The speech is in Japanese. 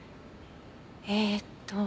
えっと。